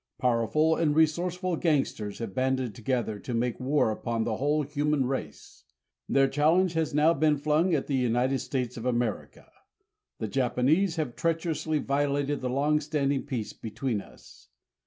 Powerful and resourceful gangsters have banded together to make war upon the whole human race. Their challenge has now been flung at the United States of America. The Japanese have treacherously violated the long standing peace between us.